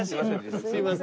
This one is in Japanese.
すいません。